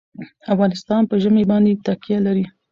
افغانستان په ژمی باندې تکیه لري.